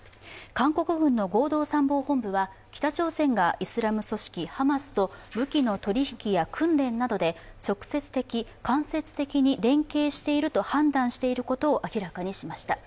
韓国軍の合同参謀本部は北朝鮮がイスラム組織ハマスと武器の取り引きや訓練などで直接的、間接的に連携していると判断していることを明らかにしました。